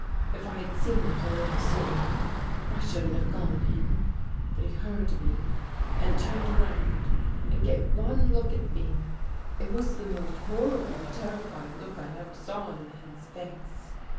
If I had seen it a little sooner, I shouldn't have gone in. But he heard me and turned around and gave one look at me. It was the most horribly terrified look I ever saw in a man's face.